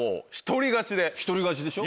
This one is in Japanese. １人勝ちでしょ。